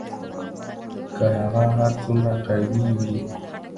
که هغه هر څومره قوي وي